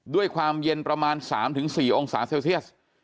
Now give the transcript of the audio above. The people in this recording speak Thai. ด้วยความเย็นประมาณ๓๔องศาเซลเซียส